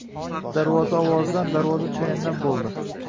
Darvoza ovozidan — darvoza cho‘yandan bo‘ldi.